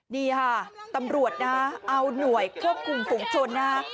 นี่ค่ะตำรวจนะเอาหน่วยควบคุมฝุงชนนะฮะ